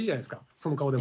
その顔でも。